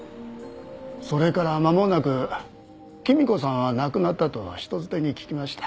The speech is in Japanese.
それからまもなくきみ子さんは亡くなったと人づてに聞きました。